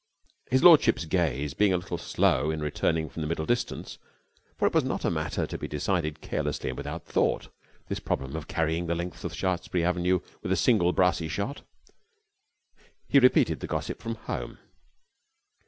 His lordship's gaze being a little slow in returning from the middle distance for it was not a matter to be decided carelessly and without thought, this problem of carrying the length of Shaftesbury Avenue with a single brassy shot he repeated the gossip from the home.